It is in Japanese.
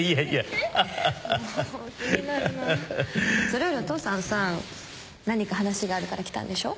それよりお父さんさ何か話があるから来たんでしょ？